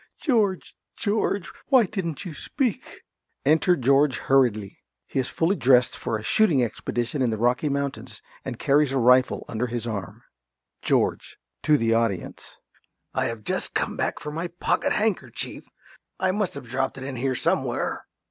George, George, why didn't you speak? Enter George hurriedly. He is fully dressed for a shooting expedition in the Rocky Mountains, and carries a rifle under his arm. ~George~ (to the audience). I have just come back for my pocket handkerchief. I must have dropped it in here somewhere.